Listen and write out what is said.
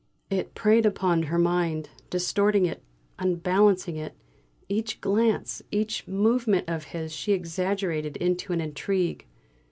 It preyed upon her mind, distorting it, unbalancing it; each glance, each movement of his she exaggerated into an intrigue.